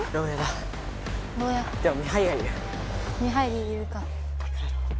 見張りいるか。